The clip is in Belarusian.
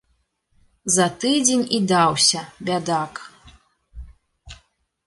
За тыдзень і даўся, бядак.